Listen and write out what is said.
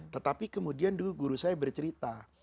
tetapi kemudian dulu guru saya bercerita